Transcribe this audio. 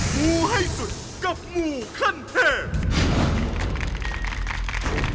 หมู่ให้สุดกับหมู่ขั้นแทบ